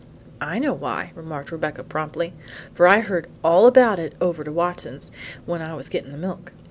"I know why," remarked Rebecca promptly, "for I heard all about it over to Watson's when I was getting the milk.